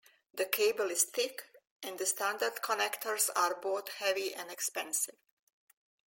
The cable is thick, and the standard connectors are both heavy and expensive.